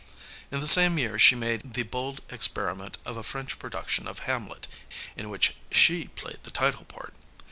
In the same year she made the bold experiment of a French production of Hamlet, in which she played the title part.